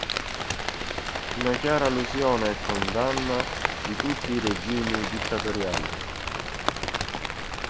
Una chiara allusione e condanna di tutti i regimi dittatoriali.